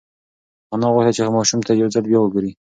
انا غوښتل چې ماشوم ته یو ځل بیا وگوري.